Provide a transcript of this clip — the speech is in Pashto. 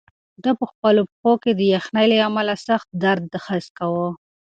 ده په خپلو پښو کې د یخنۍ له امله سخت درد حس کاوه.